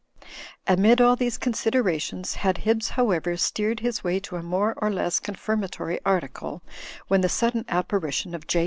Amid all these considerations had Hibbs However steered his way to a more or less confirmatory article, when the sudden apparition of J.